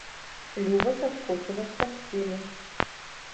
Люба саскочыла з пасцелі.